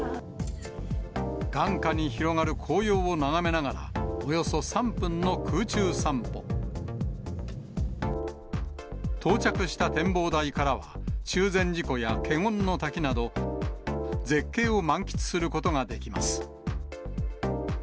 眼下に広がる紅葉を眺めながら、およそ３分の空中散歩。到着した展望台からは、中禅寺湖や華厳の滝など、絶景を満喫することができます。